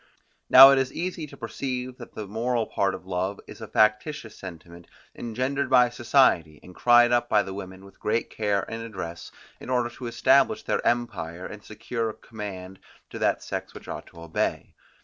Now it is easy to perceive that the moral part of love is a factitious sentiment, engendered by society, and cried up by the women with great care and address in order to establish their empire, and secure command to that sex which ought to obey.